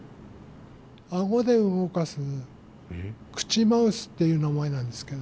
顎で動かす口マウスっていう名前なんですけど。